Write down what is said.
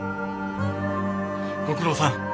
ご苦労さん。